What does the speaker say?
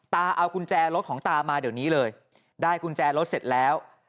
เอากุญแจรถของตามาเดี๋ยวนี้เลยได้กุญแจรถเสร็จแล้ว